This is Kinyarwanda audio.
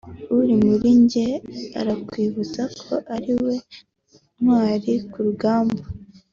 uri muri njye arakwibutsa ko ari we ntwari ku rugamba